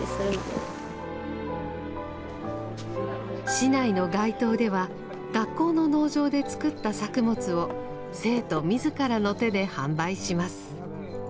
市内の街頭では学校の農場で作った作物を生徒自らの手で販売します。